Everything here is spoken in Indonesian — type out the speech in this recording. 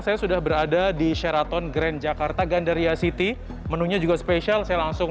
saya sudah berada di sheraton grand jakarta gandaria city menunya juga spesial saya langsung